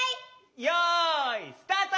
よいスタート！